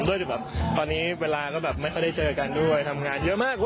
ด้วยแบบตอนนี้เวลาก็แบบไม่ค่อยได้เจอกันด้วยทำงานเยอะมาก